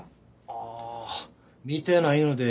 あっ見てないので。